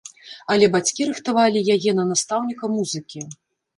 Але бацькі рыхтавалі яе на настаўніка музыкі.